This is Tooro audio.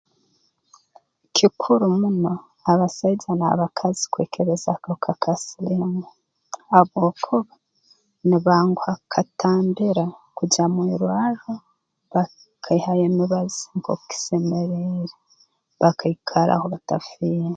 Kikuru muno abasaija n'abakazi kwekebeza akahuka ka siliimu habwokuba nibanguha kukatambira kugya mu irwarro bakaihayo emibazi nkooku kisemeriire bakaikaraho batafiire